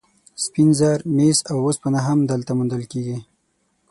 سپین زر، مس او اوسپنه هم دلته موندل کیږي.